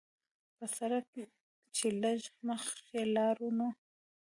پۀ سړک چې لږ مخکښې لاړو نو